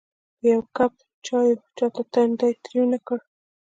په یوه کپ چایو چاته تندی تریو نه کړ.